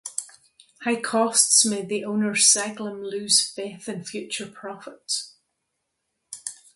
High costs made the owner Seglem lose faith in future profits.